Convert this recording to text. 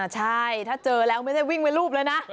ใช่ถ้าเจอแล้วไม่ได้วิ่งเป็นรูปเลยนะ